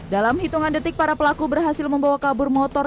dalam hitungan detik para pelaku berhasil membawa kabur motor